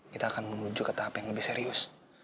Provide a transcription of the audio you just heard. kita akan menuju ke tahap yang lebih serius